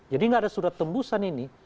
jadi tidak ada surat tembusan ini